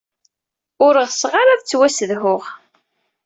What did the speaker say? Ur ɣseɣ ara ad ttwassedhuɣ.